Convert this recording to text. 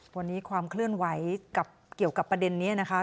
วันนี้ความเคลื่อนไหวเกี่ยวกับประเด็นนี้นะคะ